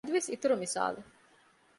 އަދިވެސް އިތުރު މިސާލެއް